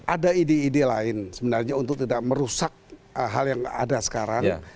ada ide ide lain sebenarnya untuk tidak merusak hal yang ada sekarang